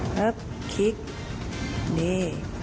ครับคลิปนี้